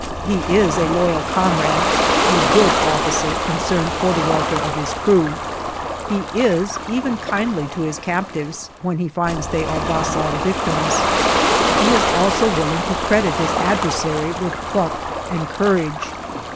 He is a loyal comrade; a good officer concerned for the welfare of his crew. He is even kindly to his captives when he finds they are docile victims. He is also willing to credit his adversary with pluck and courage.